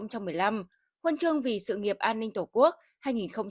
huân chương vì sự nghiệp an ninh tổ quốc hai nghìn hai mươi bốn